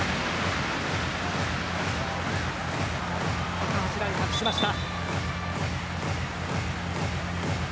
高橋藍に託しました。